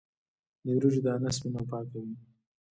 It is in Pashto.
د وریجو دانه سپینه او پاکه وي.